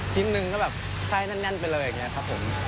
หนึ่งก็แบบไส้แน่นไปเลยอย่างนี้ครับผม